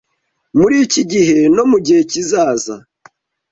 muri iki gihe no mu gihe kizaza